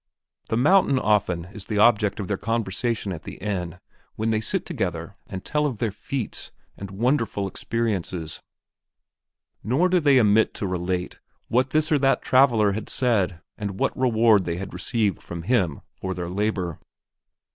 The mountain often is the object of their conversation at the inn, when they sit together and tell of their feats and wonderful experiences; nor do they omit to relate what this or that traveler had said and what reward they had received from him for their labor.